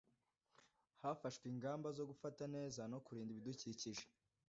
hafashwe ingamba zo gufata neza no kurinda ibidukikije.